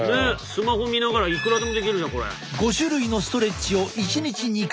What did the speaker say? スマホ見ながらいくらでもできるじゃんこれ。